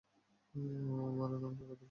মারান, আমার কথাটা শোনো।